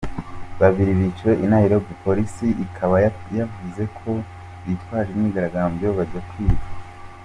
Babiri biciwe i Nairobi, polisi ikaba yavuze ko bitwaje imyigaragambyo bajya kwiba.